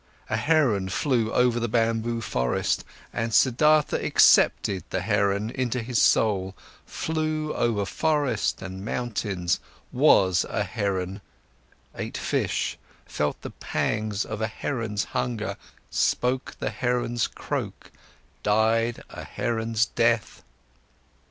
A heron flew over the bamboo forest—and Siddhartha accepted the heron into his soul, flew over forest and mountains, was a heron, ate fish, felt the pangs of a heron's hunger, spoke the heron's croak, died a heron's death.